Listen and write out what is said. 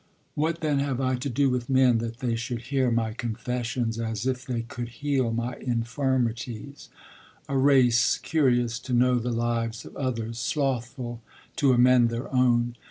'What, then, have I to do with men, that they should hear my confessions as if they could heal my infirmities, a race curious to know the lives of others, slothful to amend their own?'